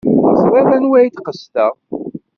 Teẓrid anwa ay d-qesdeɣ.